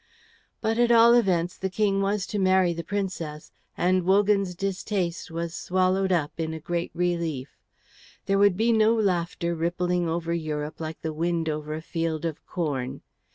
But, at all events, the King was to marry the Princess, and Wogan's distaste was swallowed up in a great relief. There would be no laughter rippling over Europe like the wind over a field of corn.